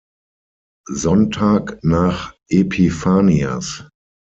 Sonntag nach Epiphanias.